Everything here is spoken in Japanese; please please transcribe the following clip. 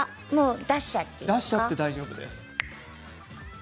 出しちゃって大丈夫ですか？